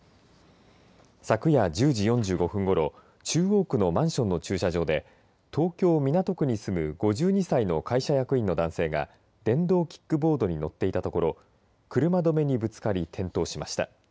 昨夜１０時４５分ごろ中央区のマンションの駐車場で東京、港区に住む５２歳の会社役員の男性が電動キックボードに乗っていたところ車止めにぶつかり転倒しました。